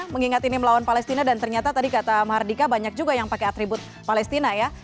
mengingat ini melawan palestina dan ternyata tadi kata mahardika banyak juga yang pakai atribut palestina ya